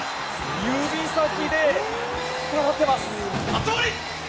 指先で触っています！